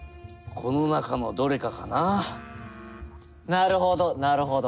なるほどなるほど。